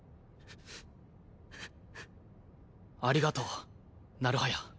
ありがとう成早。